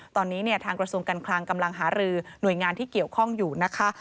ตอนนี้ทางกระทรวงการคลังกำลังหารือหน่วยงานที่เกี่ยวข้องอยู่นะคะ